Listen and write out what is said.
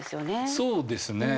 そうですね。